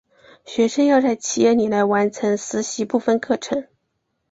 学生要在企业里来完成实习部分课程。